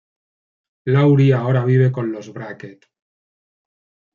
Laurie ahora vive con los Brackett.